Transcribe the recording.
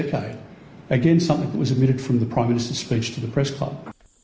lagi sekali itu adalah hal yang diambil dari perbicaraan pertama kepada klub pemirsa